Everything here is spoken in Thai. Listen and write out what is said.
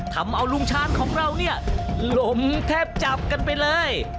ทำเอาลุงชาญของเราเนี่ยลมแทบจับกันไปเลย